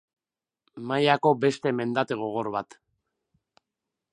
Mailako beste mendate gogor bat.